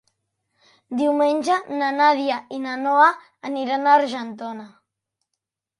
Diumenge na Nàdia i na Noa aniran a Argentona.